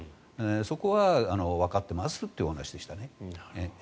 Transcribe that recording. そこはわかってますっていうお話でしたね。